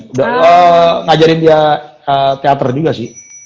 udah ngajarin dia teater juga sih